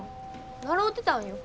習うてたんよ。